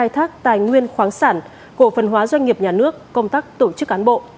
khai thác tài nguyên khoáng sản cổ phần hóa doanh nghiệp nhà nước công tác tổ chức cán bộ